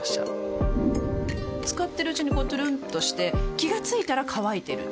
使ってるうちにこうトゥルンとして気が付いたら乾いてる